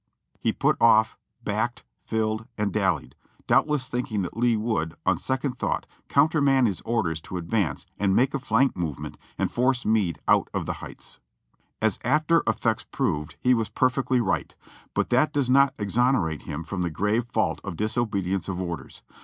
He put off, backed, filled, and dallied, doubtless thinking that Lee would, on second thought, countermand his orders to advance, and make a flank movement and force Meade out of the heights. As after events proved, he was perfectly right ; but that does not exonerate him from the grave fault of disobedience of orders.